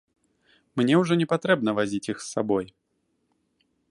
Мне ўжо не патрэбна вазіць іх з сабой.